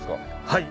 はい。